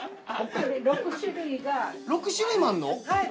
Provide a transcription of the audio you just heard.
６種類もあんの？